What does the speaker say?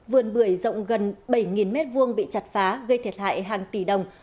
vườn bưởi rộng gần bảy m hai bị chặt phá gây thiệt hại hàng tỷ đồng